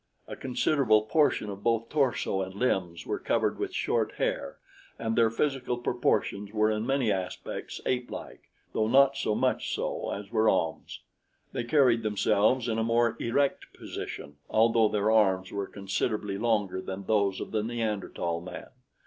A considerable portion of both torso and limbs were covered with short hair, and their physical proportions were in many aspects apelike, though not so much so as were Ahm's. They carried themselves in a more erect position, although their arms were considerably longer than those of the Neanderthal man.